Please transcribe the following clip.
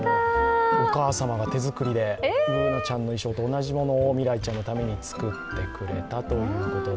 お母様が手作りでＢｏｏｎａちゃんの衣装と同じものをみらいちゃんのために作ってくれたということで。